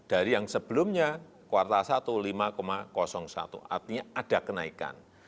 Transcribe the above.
dari yang sebelumnya kuartal satu lima satu artinya ada kenaikan